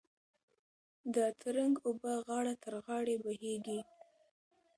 د ترنګ اوبه غاړه تر غاړې بهېږي.